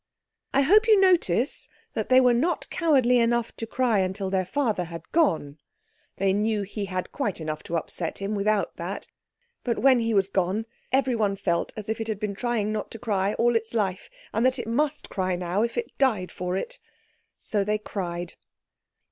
I hope you notice that they were not cowardly enough to cry till their Father had gone; they knew he had quite enough to upset him without that. But when he was gone everyone felt as if it had been trying not to cry all its life, and that it must cry now, if it died for it. So they cried.